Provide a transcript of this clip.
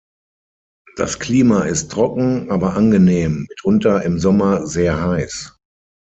Das Klima ist trocken, aber angenehm, mitunter im Sommer sehr heiß.